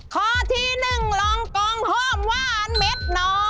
ข้อที่หนึ่งรองกองหอมหวานเม็ดน้อยเดียว